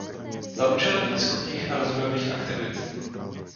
Za účelem výzkumných a rozvojových aktivit.